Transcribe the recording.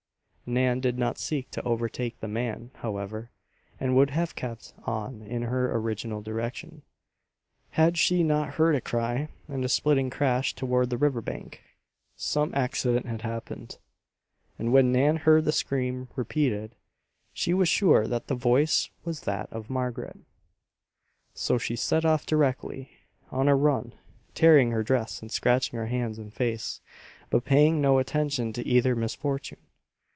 Nan did not seek to overtake the man, however, and would have kept on in her original direction, had she not heard a cry and a splitting crash toward the river bank. Some accident had happened, and when Nan heard the scream repeated, she was sure that the voice was that of Margaret. So she set off directly, on a run, tearing her dress and scratching her hands and face, but paying no attention to either misfortune.